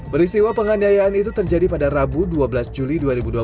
peristiwa penganiayaan itu terjadi pada rabu dua belas juli dua ribu dua puluh